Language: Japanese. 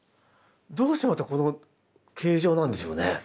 どうしてまたこの形状なんでしょうね？